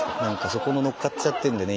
そこも乗っかっちゃってるんでね